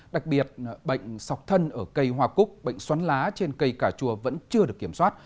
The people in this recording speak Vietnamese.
đặc biệt bệnh sọc thân ở cây hoa cúc bệnh xoắn lá trên cây cà chua vẫn chưa được kiểm soát